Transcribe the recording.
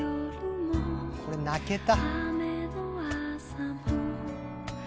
これ泣けた。